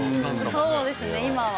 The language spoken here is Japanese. そうですね、今は。